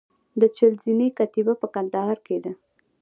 د چهل زینې کتیبه په کندهار کې ده